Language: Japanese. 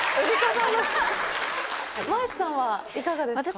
マーシュさんはいかがですか？